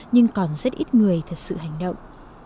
nhưng còn rất ít người thật sự hành động